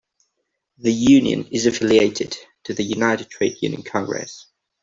The union is affiliated to the United Trade Union Congress.